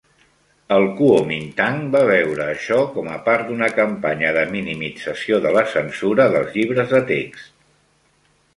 El Kuomintang va veure això com a part d'una campanya de minimització de la censura dels llibres de text.